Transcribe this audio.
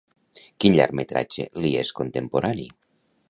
Quin llargmetratge li és contemporani?